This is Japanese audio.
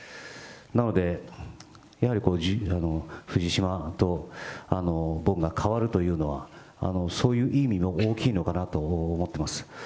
なので、やはり藤島と僕が代わるというのは、そういう意味も大きいのかなと思っています。